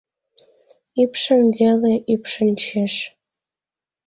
Ӱпшым веле ӱпшынчеш.